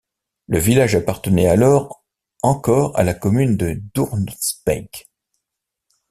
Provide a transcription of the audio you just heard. Le village appartenait alors encore à la commune de Doornspijk.